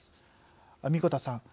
神子田さん